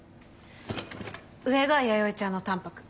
上が弥生ちゃんのタンパク。